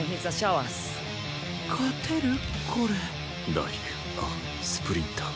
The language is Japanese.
ライクアスプリンター。